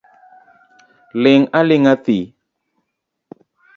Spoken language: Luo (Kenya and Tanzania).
Ling'aling'a thi.